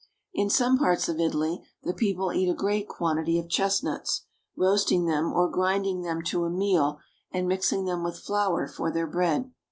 In some parts of Italy the people eat a great quantity of chestnuts, roasting them, or grinding them to a meal and mixing them with flour for their bread.